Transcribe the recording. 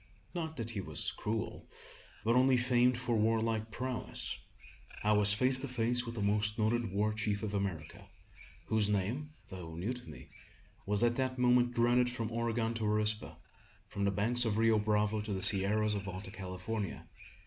Not that he was cruel, but only famed for warlike prowess. I was face to face with the most noted war chief of America: whose name, though new to me, was at that moment dreaded from Oregon to Arispe, from the banks of the Rio Bravo to the sierras of Alta California.